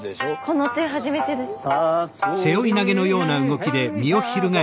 この手初めてです。